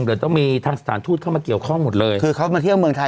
เดี๋ยวต้องมีทางสถานทูตเข้ามาเกี่ยวข้องหมดเลยคือเขามาเที่ยวเมืองไทย